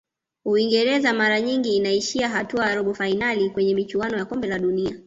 uingereza mara nyingi inaishia hatua ya robo fainali kwenye michuano ya kombe la dunia